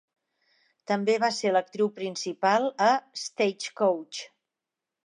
També va ser l'actriu principal a "Stagecoach".